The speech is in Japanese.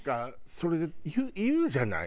それで言うじゃない？